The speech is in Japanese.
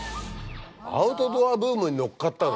アウトドアブームにのっかったの？